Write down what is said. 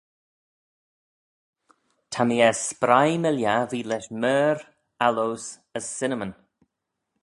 Ta mee er spreih my lhiabbee lesh myrrh, aloes, as cinnamon.